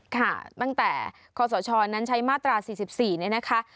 ค่ะตั้งแต่คศนั้นใช้มาตรา๔๔เนี่ยนะคะ